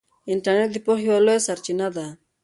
انټرنیټ د پوهې یوه لویه سرچینه ده.